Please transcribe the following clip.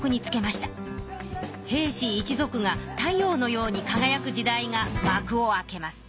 平氏一族が太陽のようにかがやく時代がまくを開けます。